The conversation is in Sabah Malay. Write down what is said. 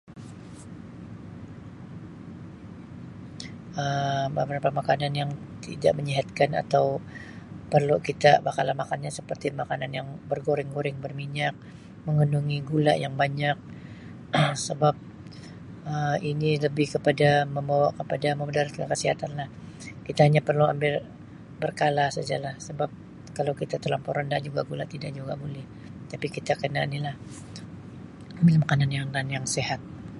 Um Beberapa makanan yang tidak menyihatkan atau perlu kita [unintelligible] seperti makanan yang bergoreng-goreng, berminyak, mengandungi gula yang banyak Um sebab Um ini lebih kepada, membawa kepada memudaratkan kesihatanlah. Kita hanya perlu ambil berkala sajalah sebab kalau kita terlampau rendah juga gula tidak juga buleh tapi kita kena nilah ambil makanan-makanan yang sihat.